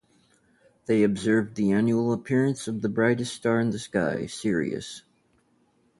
They observed the annual appearance of the brightest star in the sky, Sirius.